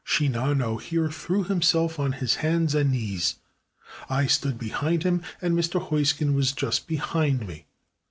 Shinano here threw him self on his hands and knees. I stood behind him, and Mr. Heusken was just behind me.